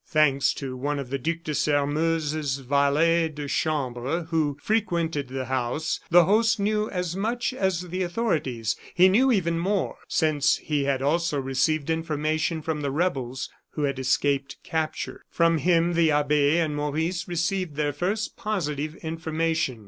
Thanks to one of the Duc de Sairmeuse's valets de chambre who frequented the house, the host knew as much as the authorities; he knew even more, since he had also received information from the rebels who had escaped capture. From him the abbe and Maurice received their first positive information.